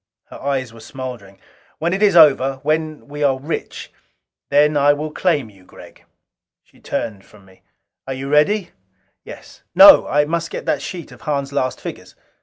Her eyes were smoldering. "When it is over when we are rich then I will claim you, Gregg." She turned from me. "Are you ready?" "Yes. No! I must get that sheet of Hahn's last figures."